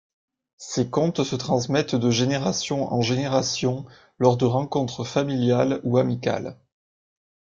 Ces contes se transmettent de génération en génération lors de rencontres familiales ou amicales.